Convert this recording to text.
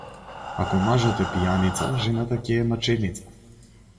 Ако мажот е пијаница, жената ќе е маченица.